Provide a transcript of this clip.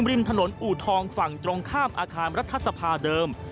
ริมถนนอูทองฝั่งตรงข้ามอาคารรัฐสภาเดิม